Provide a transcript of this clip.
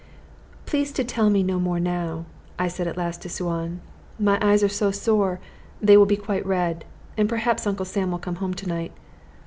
"Please to tell me no more now," I said at last to Suan; "my eyes are so sore they will be quite red, and perhaps Uncle Sam will come home to night.